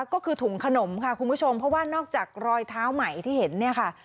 ก็คือถุงขนมค่ะคุณผู้ชมเพราะว่านอกจากรอยเท้าใหม่ที่เห็นเนี่ยค่ะ